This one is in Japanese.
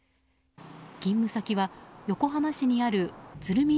勤務先は横浜市にある鶴見